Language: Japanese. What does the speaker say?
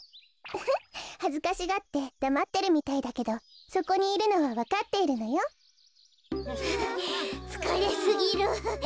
ウフッはずかしがってだまってるみたいだけどそこにいるのはわかっているのよ。はあつかれすぎる。